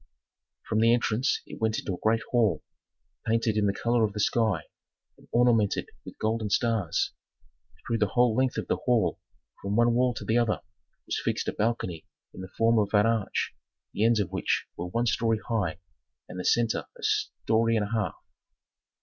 From the entrance it went into a great hall, painted in the color of the sky, and ornamented with golden stars. Through the whole length of the hall, from one wall to the other, was fixed a balcony in the form of an arch the ends of which were one story high and the centre a story and a half.